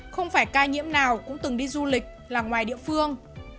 không phải ca nhiễm nào cũng từng đi du lịch là ngoài địa phương